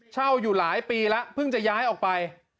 อยู่หลายปีแล้วเพิ่งจะย้ายออกไป